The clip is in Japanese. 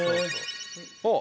あっ！